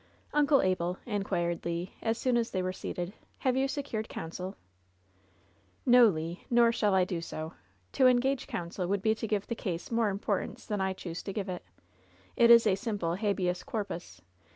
"Uncle Abel," inquired Le, as soon as they were seated, ^Tiave you secured counsel ?" "ITo, Le, nor shall I do so. To engage counsel would be to give the case more importance than I choose to give it. It is a simple habeas corpus.